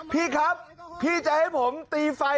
พี่ครับพี่จะให้ผมตีไฟ